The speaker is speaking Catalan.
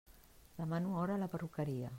Demano hora a la perruqueria.